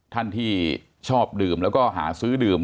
ท่านที่ชอบดื่มแล้วก็หาซื้อดื่ม